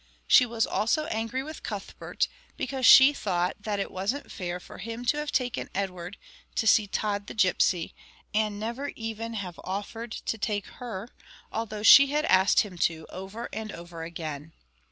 She was also angry with Cuthbert, because she thought that it wasn't fair for him to have taken Edward to see Tod the Gipsy, and never even have offered to take her, although she had asked him to over and over again.